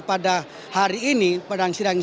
pada hari ini pada sidang sidang ini